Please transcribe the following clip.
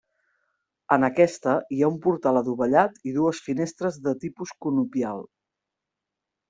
En aquesta, hi ha un portal adovellat i dues finestres de tipus conopial.